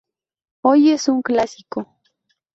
Hoy, es un clásico.